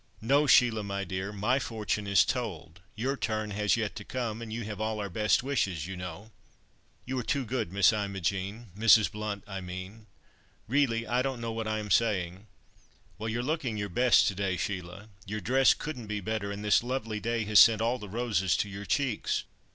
"No, Sheila, my dear! My fortune is told, your turn has yet to come, and you have all our best wishes, you know." "You are too good, Miss Imogen, Mrs. Blount, I mean! Really I don't know what I am saying." "Well, you're looking your best to day, Sheila! Your dress couldn't be better, and this lovely day has sent all the roses to your cheeks.